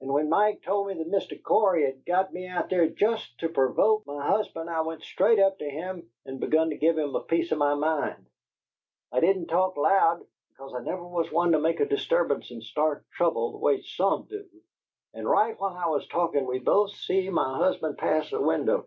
And when Mike told me that Mr. Cory had got me out there jest to provoke my husband I went straight up to him and begun to give him a piece of my mind. I didn't talk loud, because I never was one to make a disturbance and start trouble the way SOME do; and right while I was talkin' we both see my husband pass the window.